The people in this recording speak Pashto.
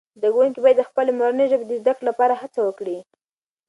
زده کوونکي باید د خپلې مورنۍ ژبې د زده کړې لپاره هڅه وکړي.